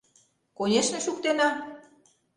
— Конешне, шуктена.